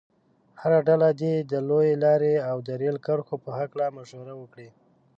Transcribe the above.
هره ډله دې د لویې لارې او د ریل کرښو په هلکه مشوره وکړي.